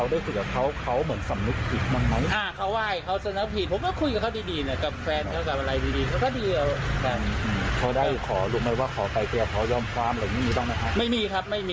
อะไม่มีครับไม่มีอันนี้ไม่มีเลยเขาขอแล้วที่ผ่านมาเขาก็ยอมรับว่ามี